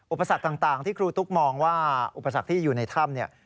อุปสรรคต่างที่ครูตุ๊กมองว่าอุปสรรคที่อยู่ในถ้ำเนี่ย